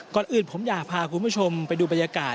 ก่อนอื่นผมอยากพาคุณผู้ชมไปดูบรรยากาศ